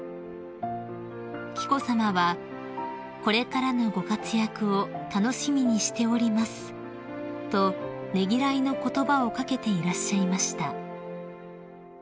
［紀子さまは「これからのご活躍を楽しみにしております」とねぎらいの言葉を掛けていらっしゃいました］